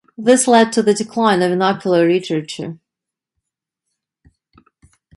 This led to the decline of vernacular literature.